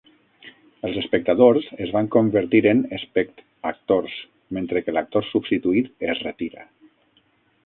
Els espectadors es van convertir en "espect-actors", mentre que l'actor substituït es retira.